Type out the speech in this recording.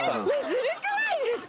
ずるくないですか？